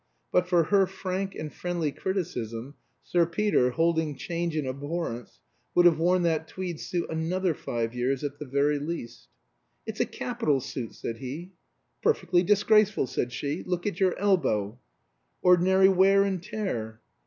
But for her frank and friendly criticism, Sir Peter, holding change in abhorrence, would have worn that tweed suit another five years at the very least. "It's a capital suit," said he. "Perfectly disgraceful," said she. "Look at your elbow." "Ordinary wear and tear."